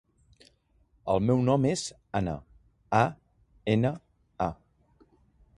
El meu nom és Ana: a, ena, a.